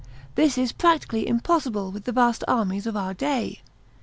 This is practically impossible with the vast armies of our day.